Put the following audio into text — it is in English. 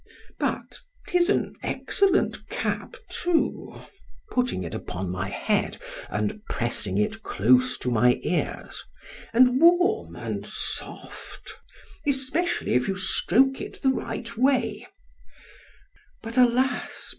——But 'tis an excellent cap too (putting it upon my head, and pressing it close to my ears)—and warm—and soft; especially if you stroke it the right way—but alas!